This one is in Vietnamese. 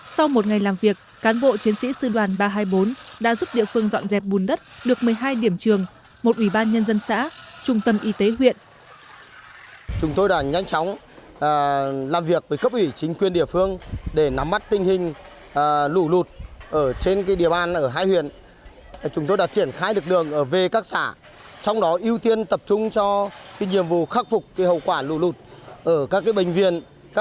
sau một ngày làm việc cán bộ chiến sĩ sư đoàn ba trăm hai mươi bốn đã giúp địa phương dọn dẹp bùn đất được một mươi hai điểm trường một ủy ban nhân dân xã trung tâm y tế huyện